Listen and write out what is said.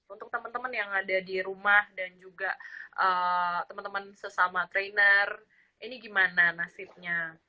untuk teman teman yang ada di rumah dan juga teman teman sesama trainer ini gimana nasibnya